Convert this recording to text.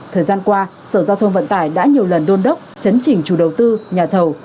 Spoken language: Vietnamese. thời gian qua sở giao thông vận tải đã nhiều lần đôn đốc chấn trình chủ đầu tư nhà thầu